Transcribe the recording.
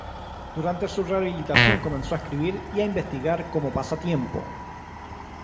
Durante su rehabilitación comenzó a escribir y a investigar como pasatiempo.